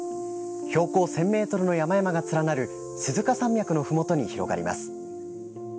標高１０００ｍの山々が連なる鈴鹿山脈のふもとに広がります。